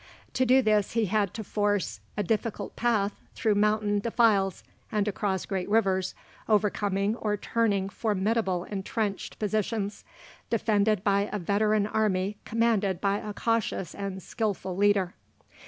To do this he had to force "a difficult path through mountain defiles and across great rivers, overcoming or turning formidable entrenched positions, defended by a veteran army commanded by a cautious and skilful leader."